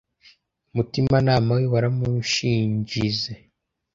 Umutima nama we waramushinjize